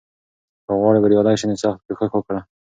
که غواړې بریالی شې، نو سخت کوښښ وکړه.